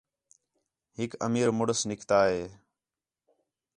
ہِک امیر مُݨس نِکتا ہے